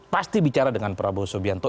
pasti bicara dengan prabowo subianto